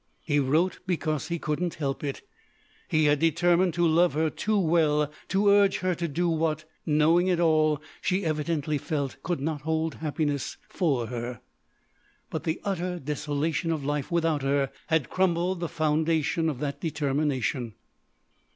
He wrote because he couldn't help it. He had determined to love her too well to urge her to do what, knowing it all, she evidently felt could not hold happiness for her. But the utter desolation of life without her had crumbled the foundation of that determination.